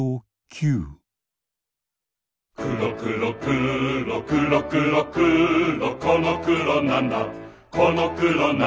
くろくろくろくろくろくろこのくろなんだこのくろなんだ